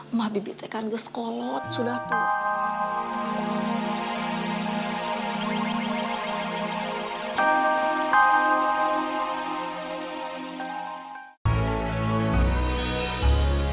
emang bibitnya kan gesekolot sudah tuh